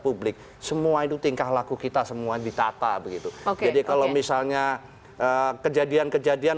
publik semua itu tingkah laku kita semua ditata begitu oke jadi kalau misalnya kejadian kejadian